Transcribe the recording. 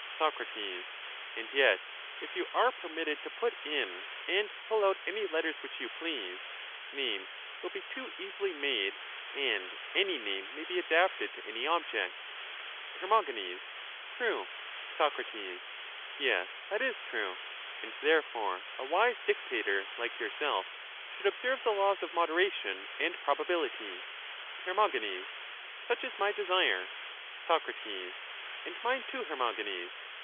Soc: And yet, if you are permitted to put in and pull out any letters which you please, names will be too easily made, and any name may be adapted to any object. Her. True. Soc. Yes, that is true. And therefore a wise dictator, like yourself, should observe the laws of moderation and proba bility. Her. Such is my desire. Soc. And mine, too, Hermogenes.